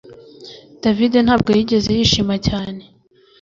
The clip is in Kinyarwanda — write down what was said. David ntabwo yigeze yishima cyane